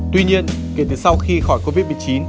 tuy nhiên kể từ sau khi khỏi covid một mươi chín